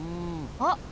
あっ。